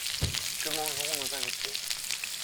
Que mangeront nos invités ?